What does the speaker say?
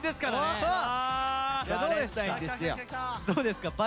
どうですか？